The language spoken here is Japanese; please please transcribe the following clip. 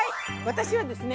私はですね